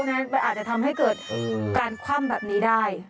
งั้นมันอาจจะทำให้เกิดการคว่ำแบบนี้ได้